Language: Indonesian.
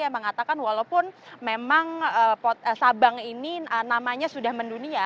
yang mengatakan walaupun memang sabang ini namanya sudah mendunia